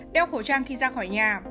đeo khẩu trang khi ra khỏi nhà